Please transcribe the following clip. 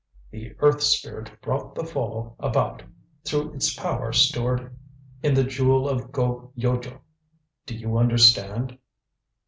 "The Earth Spirit brought the fall about through its power stored in the Jewel of Go Yojo. Do you understand?"